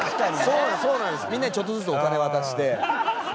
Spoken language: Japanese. みんなにちょっとずつお金を渡して。